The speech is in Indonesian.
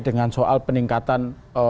dengan soal peningkatan